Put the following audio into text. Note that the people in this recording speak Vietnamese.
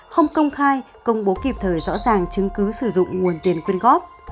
không công khai công bố kịp thời rõ ràng chứng cứ sử dụng nguồn tiền quyên góp